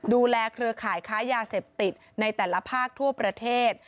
เครือข่ายค้ายาเสพติดในแต่ละภาคทั่วประเทศ